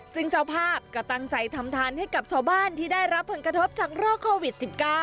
ซึ่งเจ้าภาพก็ตั้งใจทำทันให้กับชาวบ้านที่ได้รับผลกระทบจากโรคโควิด๑๙